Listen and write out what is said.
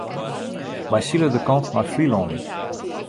Wy sile de kant nei Flylân út.